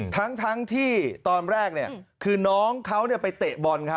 ทั้งทั้งที่ตอนแรกเนี่ยคือน้องเขาเนี่ยไปเต็บบอล